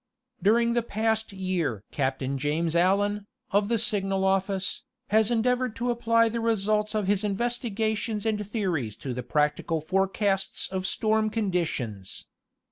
During the past year Captain James Allen, of the Signal Office, has endeavored to apply the results of his investigations and theories to the practical forecasts of storm conditions.